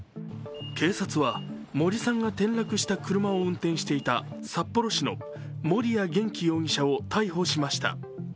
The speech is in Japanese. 警察は森さんが転落した車を運転していた札幌市の森谷元気容疑者を逮捕しました。